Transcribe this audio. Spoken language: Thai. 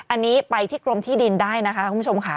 อันนี้ไปที่กรมที่ดินได้นะคะคุณผู้ชมค่ะ